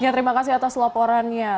terima kasih atas laporannya